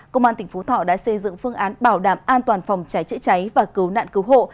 công an tp hcm đã xây dựng phương án bảo đảm an toàn phòng cháy trễ cháy và cứu nạn cứu hộ